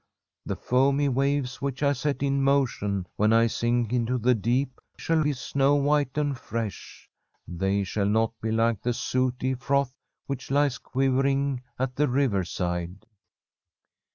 The foamy waves which I nrl ill motion when I sink into th^ deep shall b^ The Forest QUEEN snow white and fresh ; they shall not be like the sooty froth which lies quivering at the river side.'